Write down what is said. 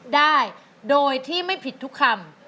ได้โดยที่ไม่ผิดทุกคำ